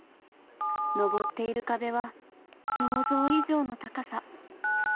登っている壁は想像以上の高さ！